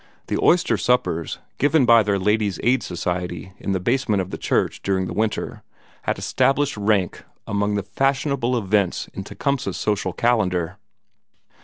The oyster suppers given by their Ladies' Aid Society in the basement of the church during the winter had established rank among the fashionable events in Tecumseh's social calendar.